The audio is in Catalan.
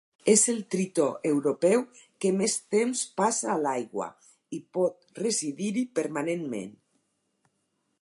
És el tritó europeu que més temps passa a l'aigua, i pot residir-hi permanentment.